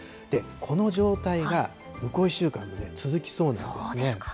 この状態が向こう１週間、続きそうなんですね。